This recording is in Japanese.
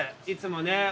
いつもね